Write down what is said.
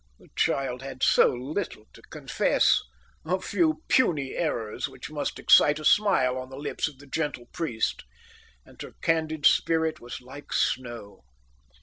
The child had so little to confess, a few puny errors which must excite a smile on the lips of the gentle priest, and her candid spirit was like snow.